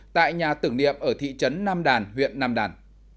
tại nhà tưởng niệm ở thị trấn nam đàn huyện nam đàn